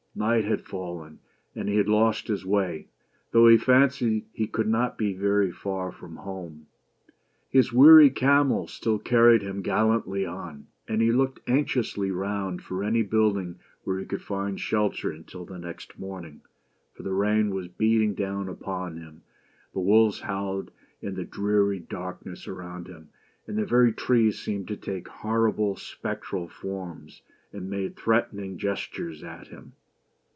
Night had fallen, and he had lost his way, though he fancied he could not be very far from home. His weary camel still carried him gallantly on, and he looked anxiously round for any building where he could find shelter until the next morning; for the rain was beating down upon him, the wolves howled in the dreary darkness around, and the very trees seemed to take horrible spectral forms, and make threatening gestures at him.